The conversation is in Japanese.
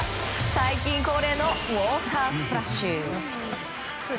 最近恒例のウォータースプラッシュ。